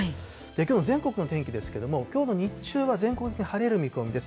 きょうの全国の天気ですけども、きょうの日中は全国的に晴れる見込みです。